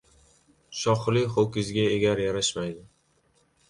• Shoxli ho‘kizga egar yarashmaydi.